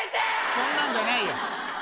そんなんじゃないよ。